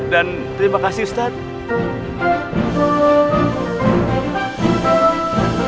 dan terima kasih ustaz